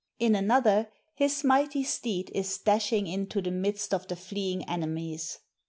In another, his mighty steed is dashing into the midst of the fleeing enemies.